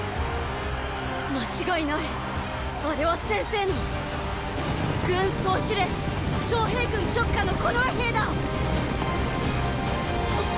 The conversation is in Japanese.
間違いないあれは先生のっ軍総司令昌平君直下の近衛兵だ！！